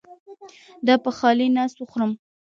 دا په خالي نس وخورم؟